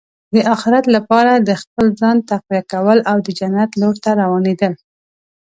د اخرت لپاره د خپل ځان تقویه کول او د جنت لور ته روانېدل.